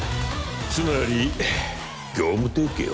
つまり業務提携を？